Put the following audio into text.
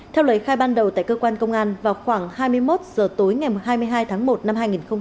theo lời khai ban đầu tại cơ quan công an vào khoảng hai mươi một giờ tối hai mươi hai tháng một năm hai nghìn một mươi chín